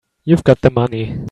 You've got the money.